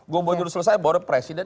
gubernur selesai baru presiden